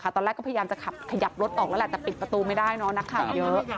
ตอนแรกก็พยายามจะขยับรถออกแล้วแหละแต่ปิดประตูไม่ได้เนอะนักข่าวเยอะ